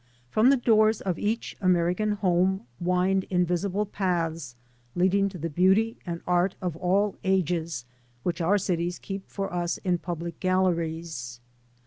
From the doors of each Americao home wind invisible paths leading to the beauty and art of all ages, which our cities keep for us in public gal leries.